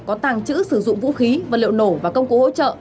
có tàng trữ sử dụng vũ khí vật liệu nổ và công cụ hỗ trợ